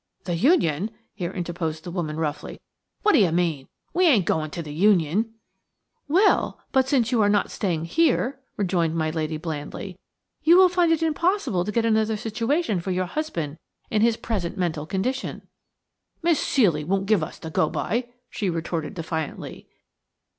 "The Union?" here interposed the woman, roughly. "What do you mean? We ain't going to the Union?" "Well! but since you are not staying here," rejoined my lady, blandly, "you will find it impossible to get another situation for your husband in his present mental condition." "Miss Ceely won't give us the go by," she retorted defiantly.